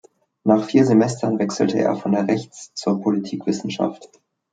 Nach vier Semestern wechselte er von der Rechts- zur Politikwissenschaft.